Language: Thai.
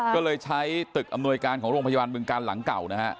ก็เลยใช้ตึกอำนวยการของโรงพยาบาลบึงการหลังเก่านะฮะ